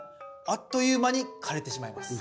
あっという間に枯れてしまいます」。